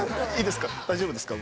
大丈夫ですか？